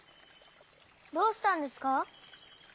どうしたんですか？